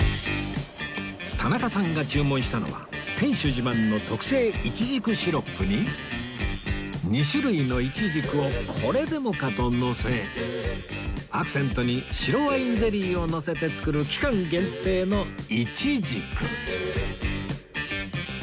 田中さんが注文したのは店主自慢の特製いちじくシロップに２種類のいちじくをこれでもかとのせアクセントに白ワインゼリーをのせて作る期間限定のいちじく